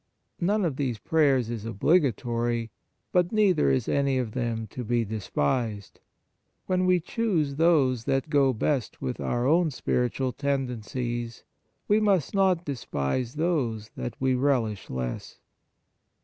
None of these prayers is obligatory ; but neither is any of them to be despised. When we choose those that go best with our own spiritual tendencies, we must not despise those that we relish less.